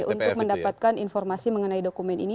untuk mendapatkan informasi mengenai dokumen ini